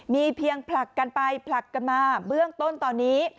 มีเพียงผลักกันไปผลักกันมาเบื้องต้นตอนนี้